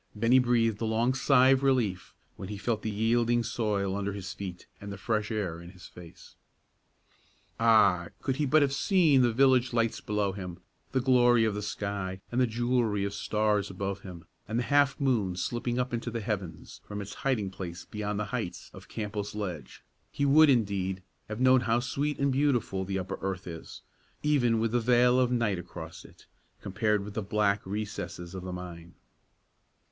Bennie breathed a long sigh of relief when he felt the yielding soil under his feet and the fresh air in his face. Ah! could he but have seen the village lights below him, the glory of the sky and the jewelry of stars above him, and the half moon slipping up into the heavens from its hiding place beyond the heights of Campbell's Ledge, he would, indeed, have known how sweet and beautiful the upper earth is, even with the veil of night across it, compared with the black recesses of the mine.